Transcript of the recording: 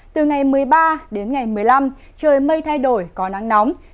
từ ngày một mươi ba đến ngày một mươi năm trời mây thay đổi có nắng nóng